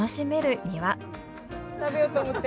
食べようと思って。